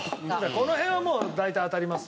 この辺はもう大体当たります。